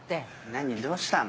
何どうしたの？